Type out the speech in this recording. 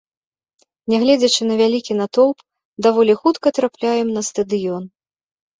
Нягледзячы на вялікі натоўп, даволі хутка трапляем на стадыён.